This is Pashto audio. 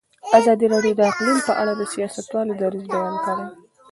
ازادي راډیو د اقلیم په اړه د سیاستوالو دریځ بیان کړی.